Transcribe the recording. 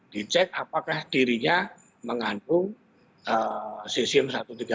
dicek apakah dirinya mengandung cesium satu ratus tiga puluh